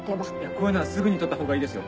こういうのはすぐに取ったほうがいいですよ。